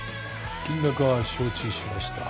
金額は承知しました。